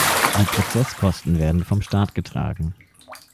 Die Prozesskosten werden vom Staat getragen.